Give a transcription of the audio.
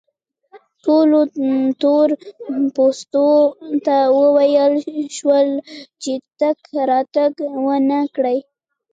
ټولو تور پوستو ته وویل شول چې تګ راتګ و نه کړي.